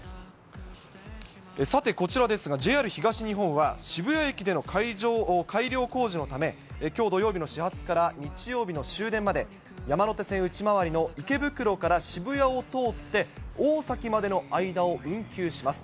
さて、こちらですが、ＪＲ東日本は、渋谷駅での改良工事のため、きょう土曜日の始発から日曜日の終電まで、山手線内回りの池袋から渋谷を通って、大崎までの間を運休します。